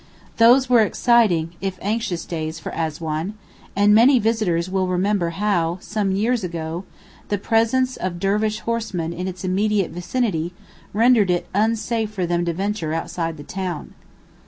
Those were exciting, if anxious, days for Assuan, and many visitors will remember how, some years ago, the presence of Dervish horsemen in its immediate vicinity rendered it unsafe for them to venture outside the town.